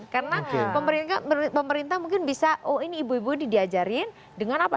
karena pemerintah mungkin bisa oh ini ibu ibu diajarin dengan apa